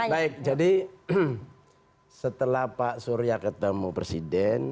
baik jadi setelah pak surya ketemu presiden